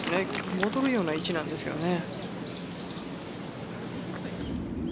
戻るような位置なんですけどね。